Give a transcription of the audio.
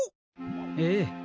ええ。